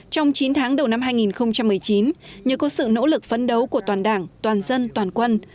trong chín tháng đầu năm hai nghìn một mươi chín nhờ có sự nỗ lực phấn đấu của toàn đảng toàn dân toàn quân